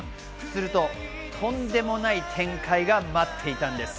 すると、とんでもない展開が待っていたんです。